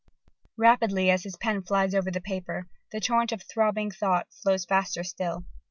_ Rapidly as his pen flies over the paper, the torrent of throbbing thought flows faster still.